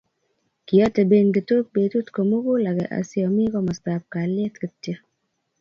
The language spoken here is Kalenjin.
kioteben kitook betut komugul age asiomii komostab kalyet kityo